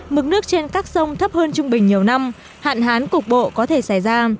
mức nước trên các sông thấp hơn trung bình nhiều năm hạn hán cục bộ có thể xảy ra